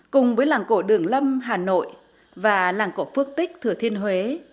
cùng với làng cổ đường lâm hà nội và làng cổ phước tích thừa thiên huế